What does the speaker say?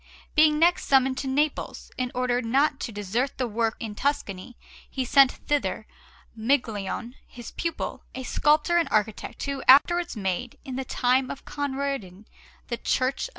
Being next summoned to Naples, in order not to desert the work in Tuscany he sent thither Maglione, his pupil, a sculptor and architect, who afterwards made, in the time of Conradin, the Church of S.